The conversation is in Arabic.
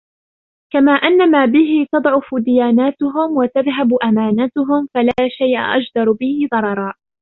كَمَا أَنَّ مَا بِهِ تَضْعُفُ دِيَانَاتُهُمْ وَتَذْهَبُ أَمَانَاتُهُمْ فَلَا شَيْءَ أَجْدَرُ بِهِ ضَرَرًا